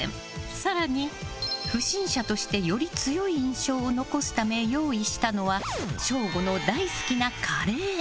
更に、不審者としてより強い印象を残すため用意したのは省吾の大好きなカレー。